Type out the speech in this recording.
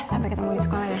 sampai ketemu di sekolah ya